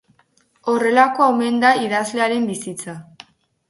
Horrelakoa omen da idazlearen bizitza.